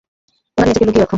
এবার নিজেকে লুকিয়ে রাখো।